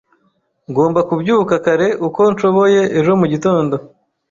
Ngomba kubyuka kare uko nshoboye ejo mugitondo.